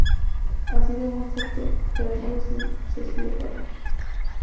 Así demuestra Peck, que además es un sociópata.